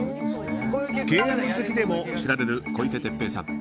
ゲーム好きでも知られる小池徹平さん。